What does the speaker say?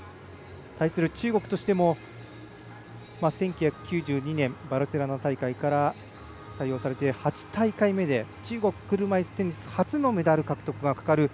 対する中国としても１９９２年バルセロナ大会から採用されて８大会目で、中国車いすテニス界初めてのメダル獲得がかかります。